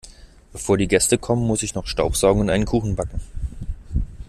Bevor die Gäste kommen, muss ich noch staubsaugen und einen Kuchen backen.